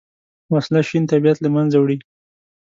وسله شین طبیعت له منځه وړي